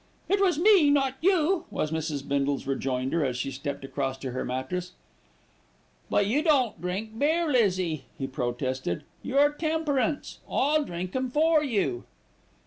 "It was me, not you," was Mrs. Bindle's rejoinder, as she stepped across to her mattress. "But you don't drink beer, Lizzie," he protested. "You're temperance. I'll drink 'em for you."